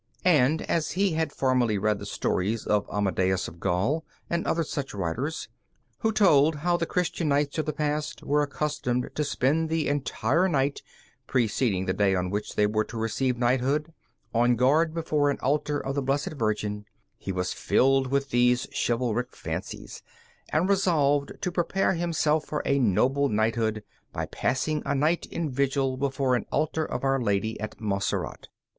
And as he had formerly read the stories of Amadeus of Gaul and other such writers, who told how the Christian knights of the past were accustomed to spend the entire night, preceding the day on which they were to receive knighthood, on guard before an altar of the Blessed Virgin, he was filled with these chivalric fancies, and resolved to prepare himself for a noble knighthood by passing a night in vigil before an altar of Our Lady at Montserrat.